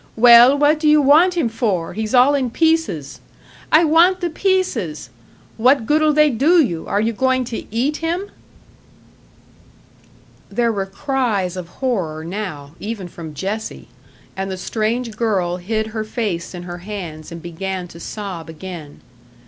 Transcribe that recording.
'Well, what do you want him for? He's all in pieces!' 'I want the pieces!' 'What good'll they do you? Are you goin' to eat him?'" There were cries of horror now, even from Jessie; and the strange girl hid her face in her hands and began to sob again.